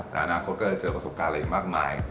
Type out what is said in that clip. แต่อนาคตก็จะเจอประสบการณ์อะไรอีกมากมาย